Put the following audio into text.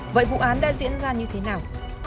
vậy vụ án đã diễn ra như thế nào